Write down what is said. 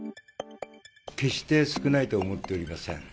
決して少ないと思っておりません。